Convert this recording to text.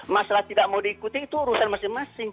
masalah tidak mau diikuti itu urusan masing masing